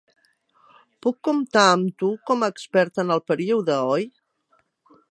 Puc comptar amb tu com a expert en el període, oi?